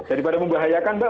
daripada membahayakan mbak